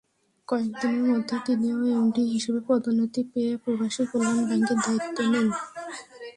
কয়েক দিনের মধ্যে তিনিও এমডি হিসেবে পদোন্নতি পেয়ে প্রবাসীকল্যাণ ব্যাংকে দায়িত্ব নেন।